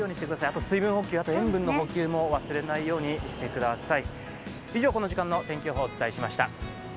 あと水分補給、塩分補給も忘れないようにしてください。